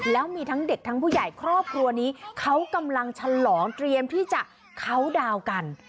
แล้วมีทั้งเด็กทั้งผู้ใหญ่ครอบครัวนี้เขากำลังฉลองเตรียมที่จะเคาน์ดาวกัน